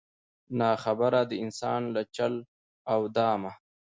نا خبره د انسان له چل او دامه